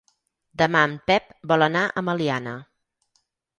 Demà en Pep vol anar a Meliana.